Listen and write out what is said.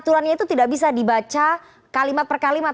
aturannya itu tidak bisa dibaca kalimat per kalimat